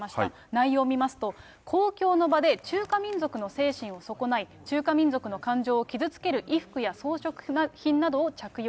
内容見ますと、公共の場で中華民族の精神を損ない、中華民族の感情を傷つける衣服や装飾品などを着用。